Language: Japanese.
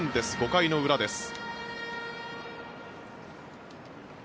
５回の裏です。